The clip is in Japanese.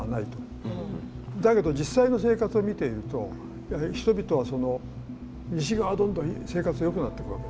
だけど実際の生活を見ているとやはり人々はその西側どんどん生活がよくなってくわけ。